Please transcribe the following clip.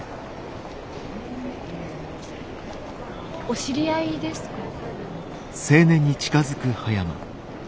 お知り合いですか？